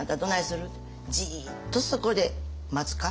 「じっとそこで待つか？